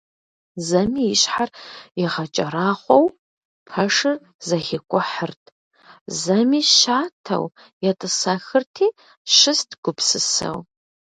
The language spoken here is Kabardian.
Зэми и щхьэр игъэкӀэрахъуэу пэшыр зэхикӀухьырт, зэми щатэу етӀысэхырти щыст гупсысэу.